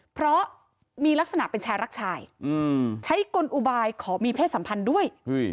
เพราะมีลักษณะเป็นชายรักชายใช้กลอุบายขอมีเพศสัมพันธ์ด้วย